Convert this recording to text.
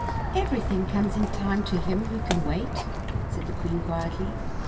"Everything cornes in time to him who can wait," said the queen quietly.